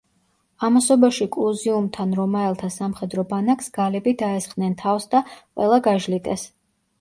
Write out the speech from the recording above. ამასობაში კლუზიუმთან რომაელთა სამხედრო ბანაკს გალები დაესხნენ თავს და ყველა გაჟლიტეს.